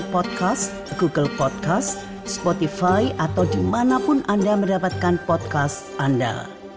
podcast google podcast spotify atau dimanapun anda mendapatkan podcast anda